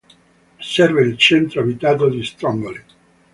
Serve il centro abitato di Strongoli.